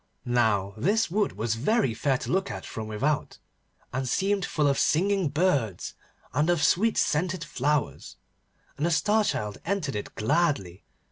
Now this wood was very fair to look at from without, and seemed full of singing birds and of sweet scented flowers, and the Star Child entered it gladly.